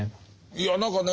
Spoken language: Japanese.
いや何かね